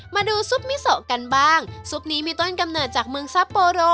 ซุปมิโซกันบ้างซุปนี้มีต้นกำเนิดจากเมืองซับโปโร